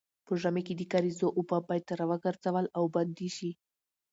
په ژمي کې د کاریزو اوبه باید راوګرځول او بندې شي.